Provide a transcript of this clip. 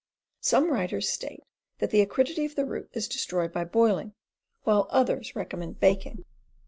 Some writers state that the acridity of the root is destroyed by boiling, while others recommend baking.